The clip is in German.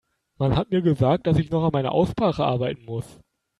Man hat mir gesagt, dass ich noch an meiner Aussprache arbeiten muss.